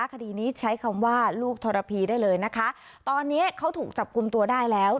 คดีนี้ใช้คำว่าลูกทรพีได้เลยนะคะตอนนี้เขาถูกจับกลุ่มตัวได้แล้ว